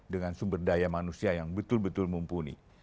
dengan sumber daya manusia yang betul betul mumpuni